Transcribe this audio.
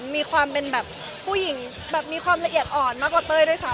มีความเป็นแบบผู้หญิงแบบมีความละเอียดอ่อนมากกว่าเต้ยด้วยซ้ำ